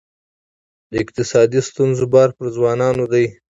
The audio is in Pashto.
د اقتصادي ستونزو بار پر ځوانانو دی.